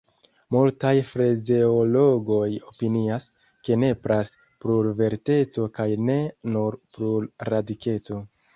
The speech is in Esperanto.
Multaj frazeologoj opinias, ke nepras plurvorteco kaj ne nur plurradikeco.